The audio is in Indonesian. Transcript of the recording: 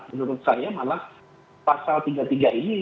menurut saya malah pasal tiga puluh tiga ini